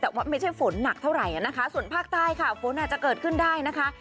แต่ว่าไม่ใช่ฝนหนักเท่าไหร่นะคะส่วนภาคใต้ค่ะฝนอาจจะเกิดขึ้นได้นะคะ